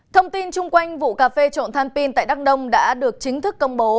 thông tin chung quanh vụ cà phê trộn than pin tại đắk đông đã được chính thức công bố